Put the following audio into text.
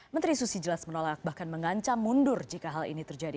menteri susi jelas menolak bahkan mengancam mundur jika hal ini terjadi